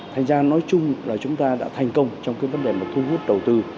thành ra nói chung là chúng ta đã thành công trong cái vấn đề mà thu hút đầu tư